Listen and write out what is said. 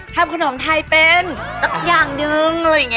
ทำขนมไทยเป็นสักอย่างหนึ่ง